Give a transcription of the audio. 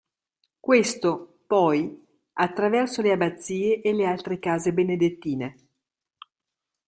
Questo, poi, attraverso le abazie e le altre case benedettine.